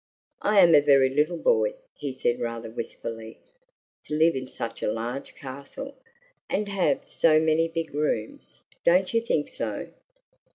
"I am a very little boy," he said rather wistfully, "to live in such a large castle, and have so many big rooms, don't you think so?"